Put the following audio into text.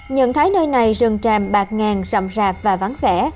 nhận thấy nơi này rừng tràm bạc ngàn rậm rạp và vắng vẻ